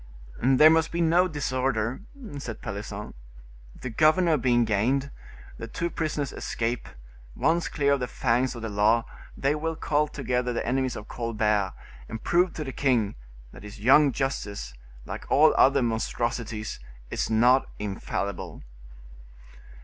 "There must be no disorder," said Pelisson. "The governor being gained, the two prisoners escape; once clear of the fangs of the law, they will call together the enemies of Colbert, and prove to the king that his young justice, like all other monstrosities, is not infallible."